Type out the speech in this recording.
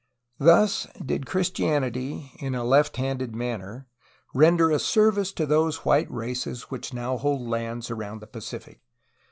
Thus did Christianity in a left handed manner render a service to those white races which now hold lands around the Pacific.